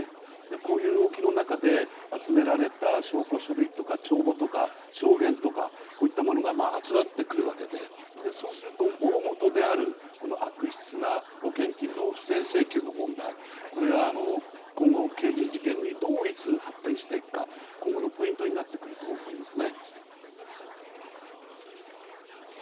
こういう動きの中で集められた証拠書類とか帳簿とか証言とかこういったものが集まってくるわけでそうすると、大本である悪質な保険金の不正請求の問題が今後、刑事事件にどう、いつ発展していくか今後のポイントになってくると思いますね。